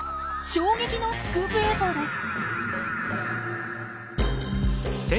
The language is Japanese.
衝撃のスクープ映像です。